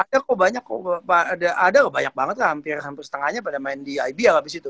ada kok banyak kok ada ada kok banyak banget lah hampir hampir setengahnya pada main di ibl abis itu